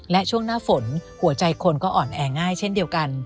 และช่วงหน้าฝนหัวใจคนก็อ่อนแอง่ายเช่นเดียวกัน